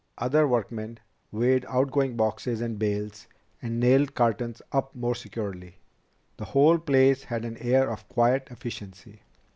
Other workmen weighed outgoing boxes and bales, and nailed cartons up more securely. The whole place had an air of quiet efficiency.